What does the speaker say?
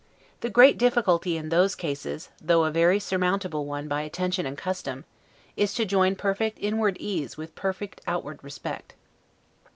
The great difficulty in those cases, though a very surmountable one by attention and custom, is to join perfect inward ease with perfect outward respect.